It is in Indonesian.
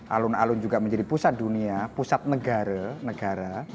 alun alun juga menjadi pusat dunia pusat negara negara